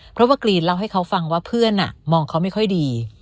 เพราะว่ากรีนเล่าให้เขาฟังว่าเพื่อนมองเขาไม่ค่อยดี